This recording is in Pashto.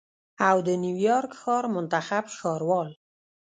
او د نیویارک ښار منتخب ښاروال